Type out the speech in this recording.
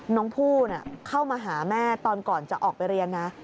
น้องผู้เข้ามาหาแม่ตอนก่อนจะออกไปเรียนนะ